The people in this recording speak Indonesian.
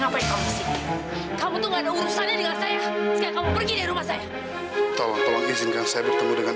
soal zahira anaknya atau bukan